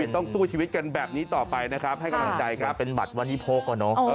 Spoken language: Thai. ต้องสู้ชีวิตกันบรรยายอย่างนี้ต่อไปให้กำลังใจเป็นบัตรวันนี้พก